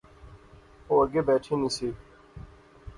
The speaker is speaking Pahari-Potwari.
او اگے بیٹھی نی سی